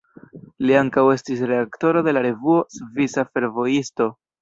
Li ankaŭ estis redaktoro de la revuo Svisa Fervojisto.